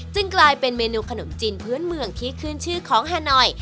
กลายเป็นเมนูขนมจีนพื้นเมืองที่ขึ้นชื่อของฮานอย